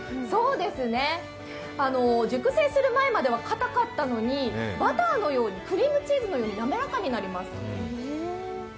熟成する前までは硬かったのに、バターのように、クリームチーズのようになめらかになります。